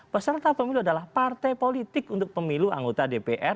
peserta pemilu adalah partai politik untuk pemilu anggota dpr